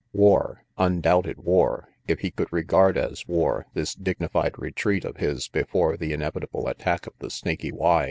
War, undoubted war, if he could regard as war this dignified retreat of his before the inevitable attack of the Snaky Y.